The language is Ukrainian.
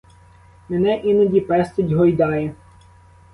Мене іноді пестить, гойдає.